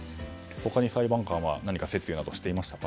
他に裁判官は何か説諭などしていましたか。